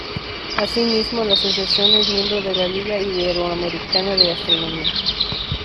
Así mismo, la asociación es miembro de la Liga Iberoamericana de Astronomía.